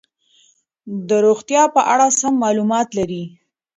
د روغتیا په اړه سم معلومات لري.